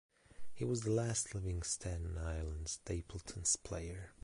He was the last living Staten Island Stapletons player.